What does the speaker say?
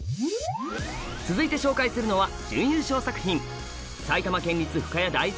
続いて紹介するのは準優勝作品！